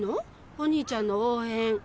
お兄ちゃんの応援。